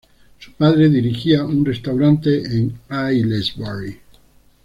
Su padre dirigía un restaurante en Aylesbury.